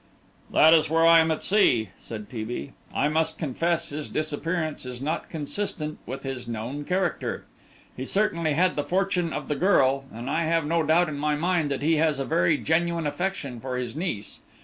"That is where I am at sea," said T. B. "I must confess his disappearance is not consistent with his known character. He certainly had the fortune of the girl, and I have no doubt in my mind that he has a very genuine affection for his niece.